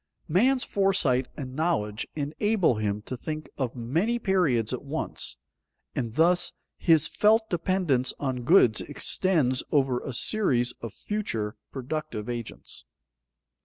_Man's foresight and knowledge enable him to think of many periods at once, and thus his felt dependence on goods extends over a series of future productive agents.